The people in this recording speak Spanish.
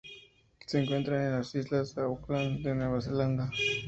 Se encuentra en la Islas Auckland de Nueva Zelanda.